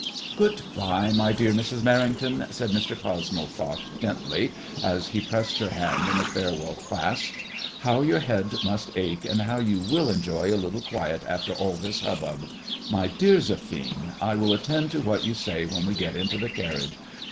Good bye, my dear Mrs. Merrington," said Mr. Cosmo Fox gently, as he pressed her I MADKMOISBLLB IXK. Sj hand in a farewell clasp ;*' how your head must ache, and how you will enjoy a little quiet after all this hubbub ! My dear Zephine, I will attend to what you say when we get into the carriage.